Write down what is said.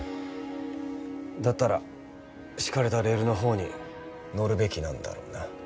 だったら敷かれたレールのほうに乗るべきなんだろうな。